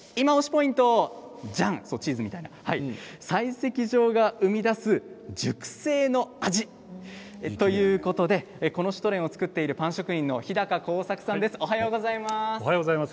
ポイントは採石場が生み出す熟成の味ということでこのシュトレンを作っているパン職人の日高晃作さんです。